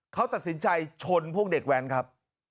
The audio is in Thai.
เขาตัดสินใจชนพวกเด็กแว้นครับ